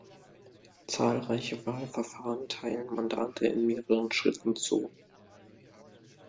Zahlreiche Wahlverfahren teilen Mandate in mehreren Schritten zu.